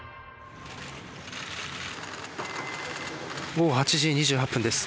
午後８時２８分です。